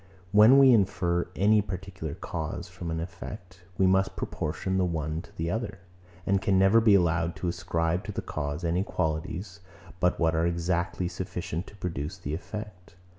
When we infer any particular cause from an effect, we must proportion the one to the other, and can never be allowed to ascribe to the cause any qualities, but what are exactly sufficient to produce the effect.